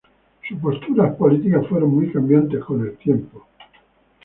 Sus posturas políticas fueron muy cambiantes con el tiempo.